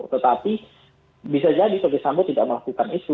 tetapi bisa jadi ferdis sambo tidak melakukan itu